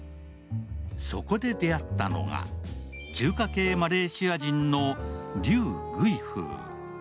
そこで出会ったのが中華系マレーシア人の劉貴福。